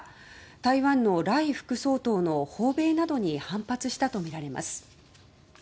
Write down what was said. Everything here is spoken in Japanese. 台湾のライ副総統の訪米などに反発したとみられます。